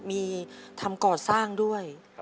มีทำก่อสร้างด้วย